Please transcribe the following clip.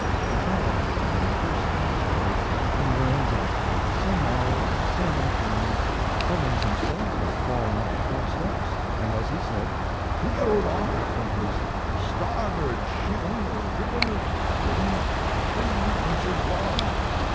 I followed the letter in person next day, and learned that at the same hour on the same afternoon Clemens himself had fallen up the front steps and, as he said, peeled off from his "starboard shin a ribbon of skin three inches long."